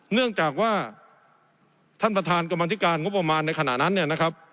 เนื่องจากว่าท่านประธานกรรมธิการงบประมาณในขณะนั้นเนี่ยนะครับ